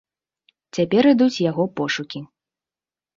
Цяпер ідуць яго пошукі.